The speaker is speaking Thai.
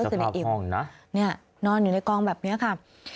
ที่สภาพห้องนะนี่นอนอยู่ในกองแบบนี้ค่ะ